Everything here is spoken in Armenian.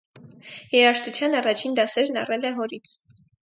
Երաժշտության առաջին դասերն առել է հորից։